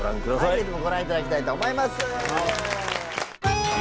ぜひご覧いただきたいと思います。